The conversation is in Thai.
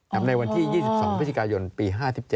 ทั้งในวันที่๒๒นปี๕๗